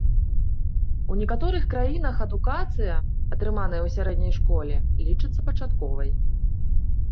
У некаторых краінах адукацыя, атрыманая ў сярэдняй школе, лічыцца пачатковай.